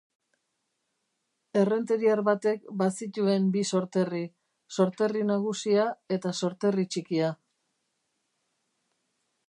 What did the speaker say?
Errenteriar batek bazituen bi sorterri: sorterri nagusia eta sorterri txikia.